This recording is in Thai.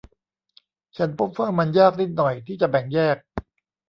ฉันพบว่ามันยากนิดหน่อยที่จะแบ่งแยก